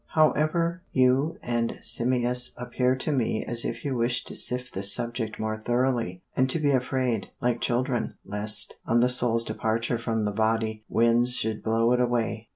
_ 'However, you and Simmias appear to me as if you wished to sift this subject more thoroughly, and to be afraid, like children, lest, on the soul's departure from the body, winds should blow it away.'